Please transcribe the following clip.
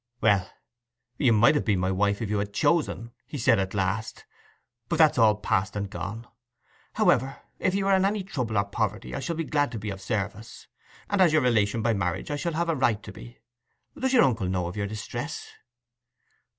'Well, you might have been my wife if you had chosen,' he said at last. 'But that's all past and gone. However, if you are in any trouble or poverty I shall be glad to be of service, and as your relation by marriage I shall have a right to be. Does your uncle know of your distress?